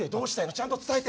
ちゃんと伝えて。